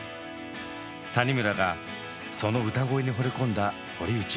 谷村がその歌声にほれ込んだ堀内。